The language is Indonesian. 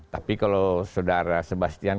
tapi kalau saudara sebastian